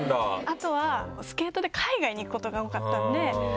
あとはスケートで海外に行くことが多かったんで。